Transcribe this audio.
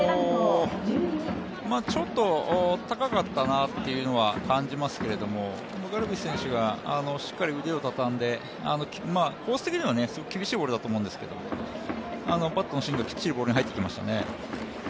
ちょっと高かったなっていうのは感じますけどガルビス選手がしっかり腕をたたんで、コース的にはすごく厳しいボールだと思うんですけど、バットの芯が、きっちりボールに入っていきましたね。